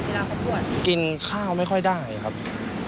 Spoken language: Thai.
ลักษณะอาการเป็นยังไงเวลาเขาปวด